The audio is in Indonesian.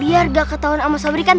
biar gak ketahuan sama sabri kan